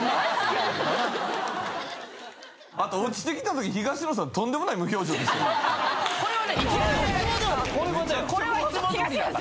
あと落ちてきたとき。